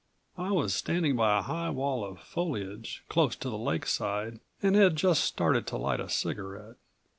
I was standing by a high wall of foliage, close to the lakeside and had just started to light a cigarette.